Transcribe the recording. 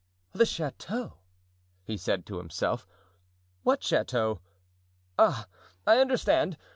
"The chateau!" he said to himself, "what chateau? Ah, I understand!